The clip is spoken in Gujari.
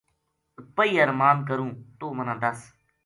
پَہی ارماند کروں توہ منا دس